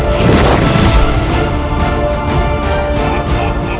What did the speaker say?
kalian akan mati di tanganku